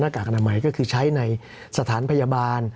กากอนามัยก็คือใช้ในสถานพยาบาล